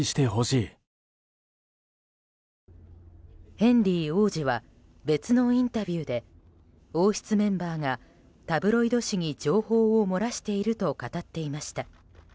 ヘンリー王子は別のインタビューで王室メンバーがタブロイド紙に情報を漏らしていると語っていました。